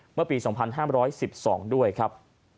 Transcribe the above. เมื่อปี๒๕๑๒ด้วยครับ